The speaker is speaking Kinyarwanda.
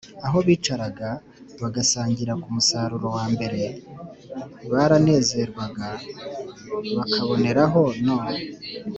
aho bicaraga bagasangira ku musaruro wa mbere. baranezerwaga bakaboneraho no